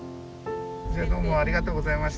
じゃあどうもありがとうございました。